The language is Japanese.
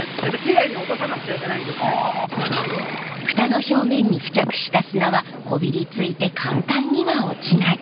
蓋の表面に付着した砂はこびりついて簡単には落ちない。